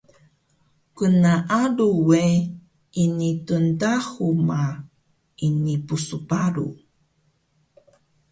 Gnaalu we ini tndahu ma ini psparu